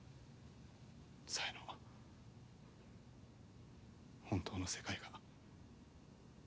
さえの本当の世界が。